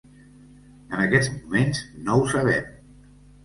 En aquests moments no ho sabem.